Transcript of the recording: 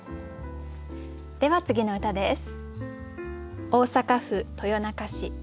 では次の歌です。